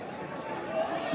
yang namanya propaganda rusia